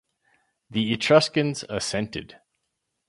The Etruscans assented.